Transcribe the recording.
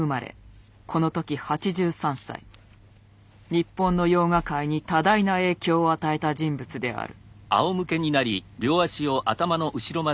日本のヨーガ界に多大な影響を与えた人物である。